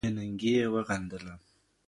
بې ننګي یې وغندله